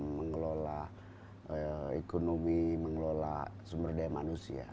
mengelola ekonomi mengelola sumber daya manusia